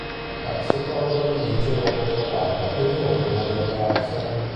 La psicologa gli dice dove trovarla e gli ordina di andarsene.